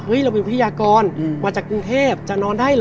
เราเป็นวิทยากรมาจากกรุงเทพจะนอนได้เหรอ